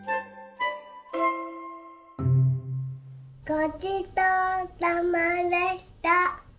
ごちそうさまでした！